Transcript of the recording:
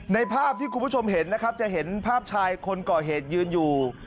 ภาพที่คุณผู้ชมเห็นนะครับจะเห็นภาพชายคนก่อเหตุยืนอยู่